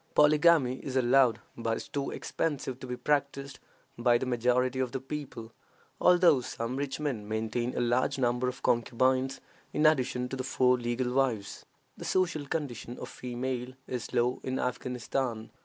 Polygamy is allowed, but is too expensive to be practiced by the majority of the people, although some rich men maintain a large number of concubines in addition to the four legal wives. The social condition of females is low in Afghanistan.